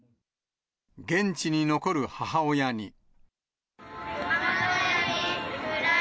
現地に残る母親に。